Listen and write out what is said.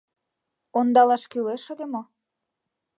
— Ондалаш кӱлеш ыле мо?